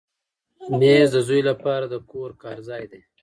مېز د زوی لپاره د کور کار ځای دی.